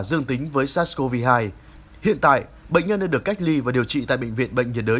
dương tính với sars cov hai hiện tại bệnh nhân đã được cách ly và điều trị tại bệnh viện bệnh nhiệt đới